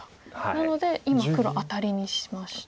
なので今黒アタリにしました。